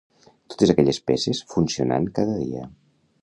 Totes aquelles peces funcionant cada dia.